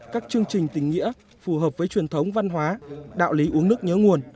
các chương trình tình nghĩa phù hợp với truyền thống văn hóa đạo lý uống nước nhớ nguồn